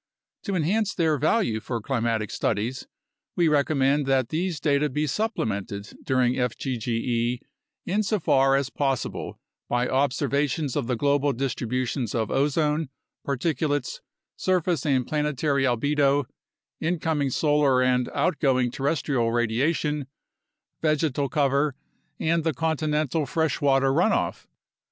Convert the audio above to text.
To enhance their value for climatic studies, we recommend that these data be supplemented during fgge insofar as possible by observations of the global distributions of ozone, particulates, surface and planetary albedo, incoming solar and outgoing terrestrial radiation, vegetal cover, and the continental freshwater runoff.